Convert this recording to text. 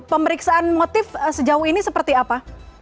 pemeriksaan motif sejauh ini seperti apa